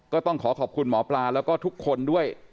ก็ต้องขอขอบคุณหมอปลาแล้วก็ทุกคนด้วย